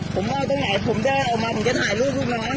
ผมว่าตรงไหนคุณลูงเลี้ยวเข้ามาเพราะมอลนะเลย